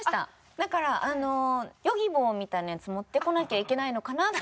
だからあのＹｏｇｉｂｏみたいなやつ持ってこなきゃいけないのかなと思ってたら。